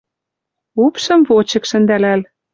Упшӹм вочык шӹндӓлӓл